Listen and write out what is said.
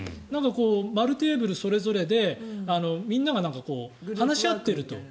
丸テーブルそれぞれでみんなが話し合っていると。